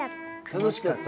楽しかった。